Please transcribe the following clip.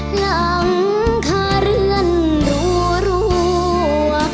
หลังคาเรือนรัว